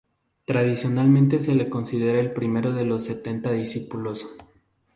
Tradicionalmente se le considera el primero de los setenta discípulos.